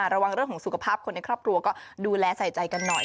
ระวังเรื่องของสุขภาพคนในครอบครัวก็ดูแลใส่ใจกันหน่อย